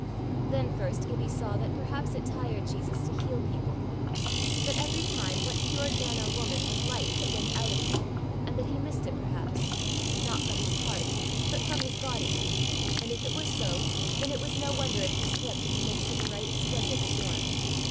Then first Gibbie saw that perhaps it tired Jesus to heal people; that every time what cured man or woman was life that went out of him, and that he missed it, perhaps not from his heart, but from his body; and if it were so, then it was no wonder if he slept in the midst of a right splendid storm.